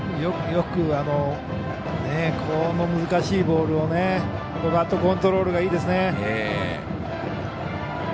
よく、この難しいボールを。バットコントロールがいいですね。